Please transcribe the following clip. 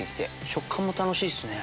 食感も楽しいっすね。